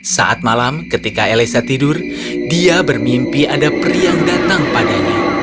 saat malam ketika elisa tidur dia bermimpi ada pri yang datang padanya